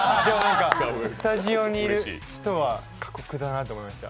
スタジオにいる人は過酷だなと思いました。